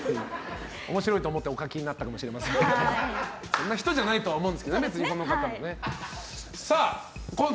面白いと思ってお書きになったかもしれませんがそんな人じゃないと思うんですけどね、この方も。